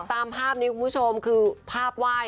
ตามภาพนี้คุณผู้ชมคือภาพไหว้